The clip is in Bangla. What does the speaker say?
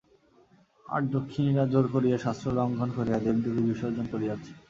আর দক্ষিণীরা জোর করিয়া শাস্ত্র লঙ্ঘন করিয়া দেবদেবী বিসর্জন করিয়াছে।